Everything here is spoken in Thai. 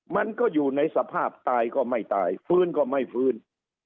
มันก็อยู่ในสภาพตายก็ไม่ตายฟื้นก็ไม่ฟื้น